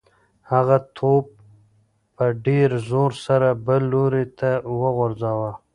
هغه توپ په ډېر زور سره بل لوري ته وغورځاوه.